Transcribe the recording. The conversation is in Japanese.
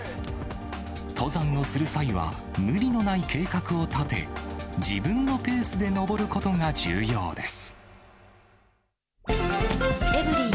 登山をする際は、無理のない計画を立て、自分のペースで登ることが重要です。